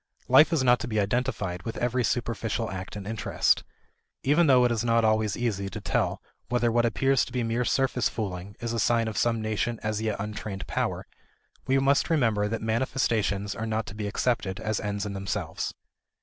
Life is not to be identified with every superficial act and interest. Even though it is not always easy to tell whether what appears to be mere surface fooling is a sign of some nascent as yet untrained power, we must remember that manifestations are not to be accepted as ends in themselves.